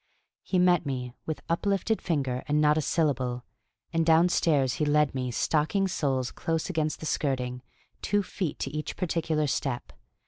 He met me with uplifted finger, and not a syllable; and down stairs he led me, stocking soles close against the skirting, two feet to each particular step.